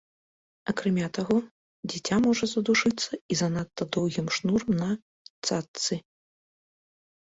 Акрамя таго, дзіця можа задушыцца і занадта доўгім шнурам на цаццы.